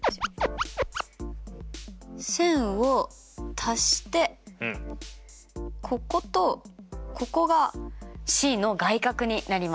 線を足してこことここがＣの外角になります。